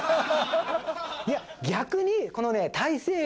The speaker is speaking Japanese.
いや逆にこのね。